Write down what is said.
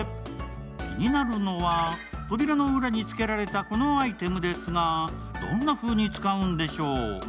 気になるのは、扉の裏に付けられたこのアイテムですがどんなふうに使うんでしょう。